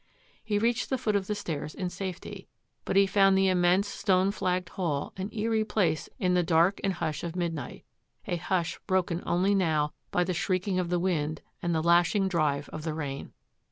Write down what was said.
He reached the foot of the stairs in safety, but he found the immense, stone flagged hall an eery place in the dark and hush of midnight —■ d. hush broken only now by the shrieking of the wind and the lashing drive of the rain.